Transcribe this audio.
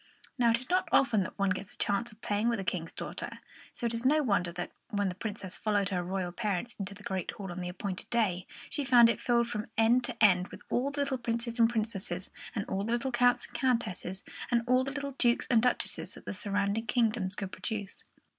Now, it is not often that one gets a chance of playing with a King's daughter, so it is no wonder that, when the Princess followed her royal parents into the great hall on the appointed day, she found it filled from end to end with all the little princes and princesses and all the little counts and countesses and all the little dukes and duchesses that the surrounding kingdoms could produce.